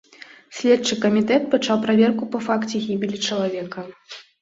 Следчы камітэт пачаў праверку па факце гібелі чалавека.